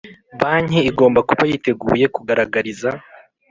Banki igomba kuba yiteguye kugaragariza